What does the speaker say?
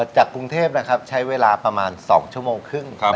จากกรุงเทพใช้เวลาพรภ์ประมาณ๒ชั่วโมงครึ่ง